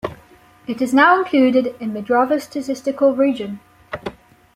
It is now included in the Drava Statistical Region.